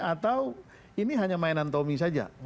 atau ini hanya mainan tommy saja